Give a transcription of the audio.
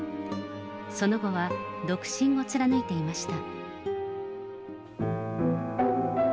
その後は独身を貫いていました。